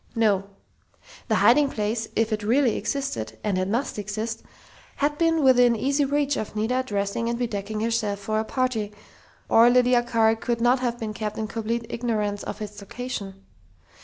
No. The hiding place, if it really existed and it must exist had been within easy reach of Nita dressing and bedecking herself for a party, or Lydia Carr could not have been kept in complete ignorance of its location.